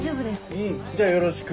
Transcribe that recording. うんじゃあよろしく。